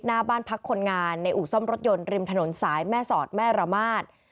หน้าบ้านพักคนงานในอู่ซ่อมรถยนต์ริมถนนสายแม่สอดแม่ระมาท